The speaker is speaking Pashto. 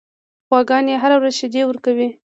غواګانې هره ورځ شیدې ورکوي.